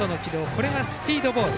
これがスピードボール。